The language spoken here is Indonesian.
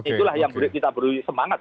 itulah yang beri kita semangat